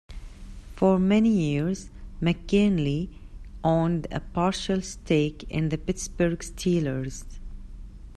For many years, McGinley owned a partial stake in the Pittsburgh Steelers.